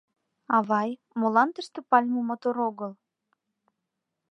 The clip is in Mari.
— Авай, молан тыште пальме мотор огыл?